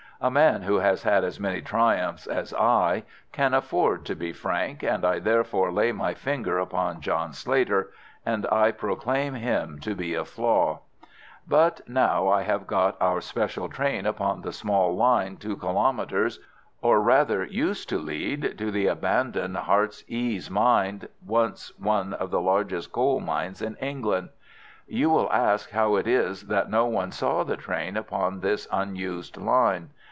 A man who has had as many triumphs as I can afford to be frank, and I therefore lay my finger upon John Slater, and I proclaim him to be a flaw. "But now I have got our special train upon the small line two kilomètres, or rather more than one mile, in length, which leads, or rather used to lead, to the abandoned Heartsease mine, once one of the largest coal mines in England. You will ask how it is that no one saw the train upon this unused line.